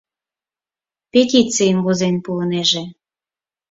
— Петицийым возен пуынеже».